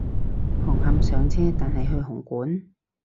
紅磡上車但係去紅館？